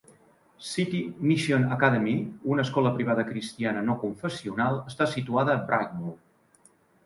City Mission Academy, una escola privada cristiana no confessional, està situada a Brightmoor.